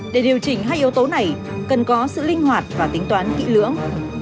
để điều chỉnh hai yếu tố này cần có sự linh hoạt và tính toán kỹ lưỡng